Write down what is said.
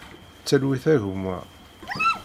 Talwit a gma.